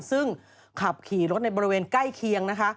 ซึ่งขับขี่รถในบริเวณใกล้เคียงนะคะ